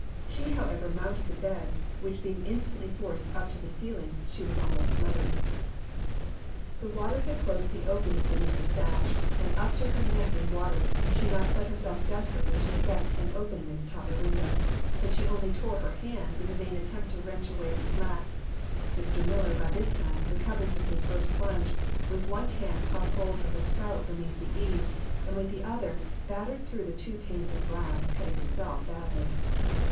She, however, mounted the bed, which being instantly forced up to the ceiling she was almost smothered. The water had closed the opening beneath the sash, and up to her neck in water she now set herself desperately to effect an opening at the top of the window, but she only tore her hands in the vain attempt to wrench away the slat. Mr. Miller, by this time recovering from his first plunge, with one hand caught hold of the spout beneath the eaves, and with the other, battered through two panes of glass, cutting himself badly.